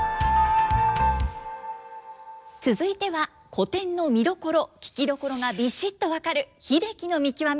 続いては古典の見どころ聴きどころがビシッと分かる「英樹の見きわめ」。